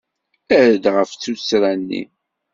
Err-d ɣef tuttra-nni.